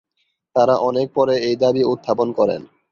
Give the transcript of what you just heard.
তারা অনেক পরে এই দাবি উত্থাপন করেন।